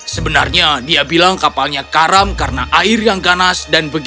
sebenarnya dia bilang kapalnya karam karena air di dalamnya